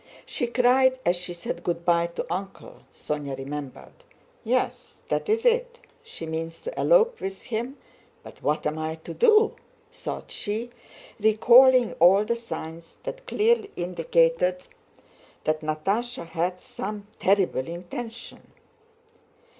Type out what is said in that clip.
She cried as she said good by to Uncle," Sónya remembered. "Yes, that's it, she means to elope with him, but what am I to do?" thought she, recalling all the signs that clearly indicated that Natásha had some terrible intention.